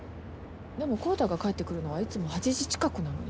でも昂太が帰ってくるのはいつも８時近くなのに。